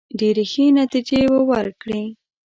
ډېري ښې نتیجې وورکړې.